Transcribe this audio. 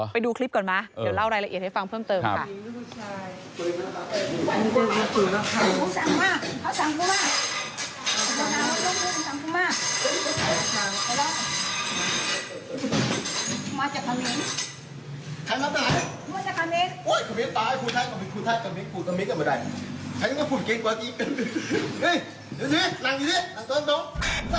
ไปดูคลิปก่อนไหมเดี๋ยวเล่ารายละเอียดให้ฟังเพิ่มเติมค่ะ